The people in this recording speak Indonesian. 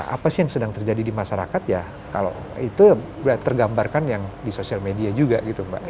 apa sih yang sedang terjadi di masyarakat ya kalau itu tergambarkan yang di sosial media juga gitu mbak